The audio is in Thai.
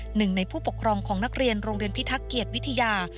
หนึ่งในผู้ปกครองของนักเรียนโรงเรียนพิทักษ์เกียรติวิทยา